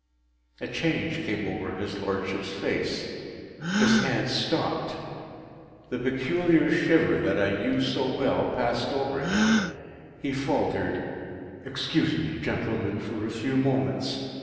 A change came over his Lordship’s face; his hand stopped; the peculiar shiver, that I knew so well, passed over him; he faltered, “Excuse me, gentlemen, for a few moments.